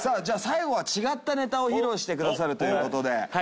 最後は違ったネタを披露してくださるという事で。